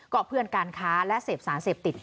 ก็เพื่อนการค้าและเสพสารเสพติด